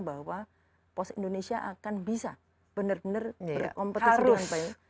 bahwa pos indonesia akan bisa benar benar berkompetisi dengan baik